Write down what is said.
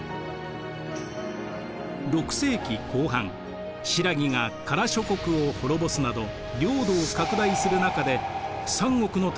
６世紀後半新羅が加羅諸国を滅ぼすなど領土を拡大する中で三国の対立は激化。